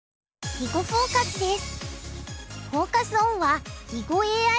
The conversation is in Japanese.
「囲碁フォーカス」です。